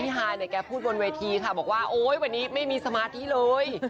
ฮายเนี่ยแกพูดบนเวทีค่ะบอกว่าโอ๊ยวันนี้ไม่มีสมาธิเลย